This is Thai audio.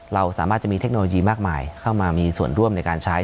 เราสามารถจะมีเทคโนโลยีมากมายเข้ามามีส่วนร่วมในการใช้